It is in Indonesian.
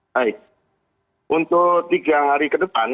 baik untuk tiga hari ke depan